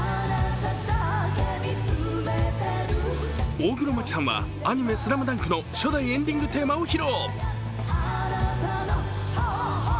大黒摩季さんはアニメ「ＳＬＡＭＤＵＮＫ」の初代エンディングテーマを披露。